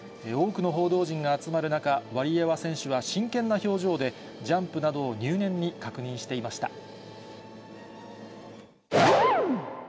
多くの報道陣が集まる中、ワリエワ選手は真剣な表情で、ジャンプなどを入念に確認していました。